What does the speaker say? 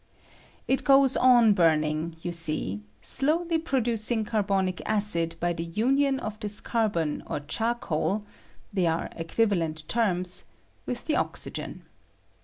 It goes on burning, you see, slowly pro ducing carbonic acid by the union of this car bon or charcoal (they are equivalent terms) with the oxygen.